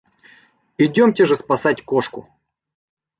Идемте же спасать кошку!